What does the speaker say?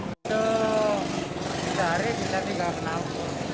itu sehari kita tinggal kenalpot